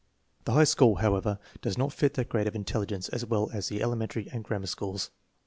The high school, however, does not fit their grade of in telligence as well as the elementary and grammar schools.